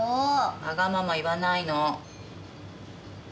わがまま言わないの。